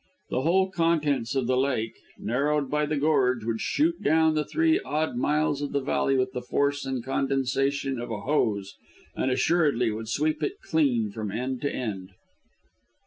The whole contents of the lake, narrowed by the gorge, would shoot down the three odd miles of the valley with the force and condensation of a hose, and assuredly would sweep it clean from end to end.